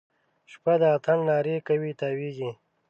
شپه د اتڼ نارې کوي تاویږي